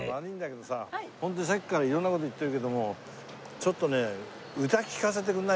ホントにさっきから色んな事言ってるけどもちょっとね歌聴かせてくれないですかね？